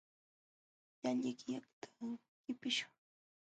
Llalliqkaqta qipiśhun.